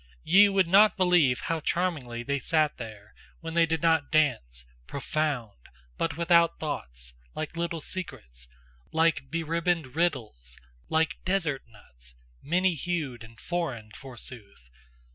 Ye would not believe how charmingly they sat there, when they did not dance, profound, but without thoughts, like little secrets, like beribboned riddles, like dessert nuts Many hued and foreign, forsooth!